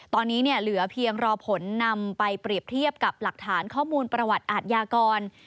ตอนนี้เนี่ยเหลือเพียงรอผลนำไปเปรียบเทียบกับหลักฐานข้อมูลประวัติอาทยากร